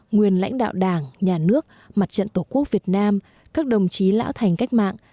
nguyên lãnh đạo đảng nhà nước mặt trận tổ quốc việt nam các đồng chí lão thành cách mạng